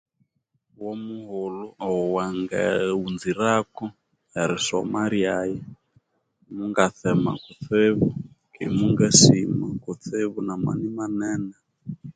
Ghumughulhu owangaaaghunzirako erisoma lyaghe mungatsema kutsibu ke mungasima kutsibu namani manene